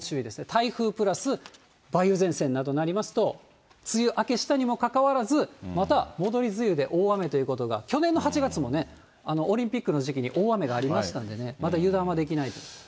台風プラス梅雨前線などとなりますと、梅雨明けしたにもかかわらず、また戻り梅雨で大雨ということが、去年の８月もね、オリンピックの時期に大雨がありましたんでね、まだ油断はできないと。